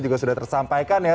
juga sudah tersampaikan ya